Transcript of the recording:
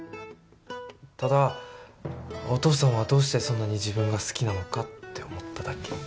ただお父さんはどうしてそんなに自分が好きなのかって思っただけ。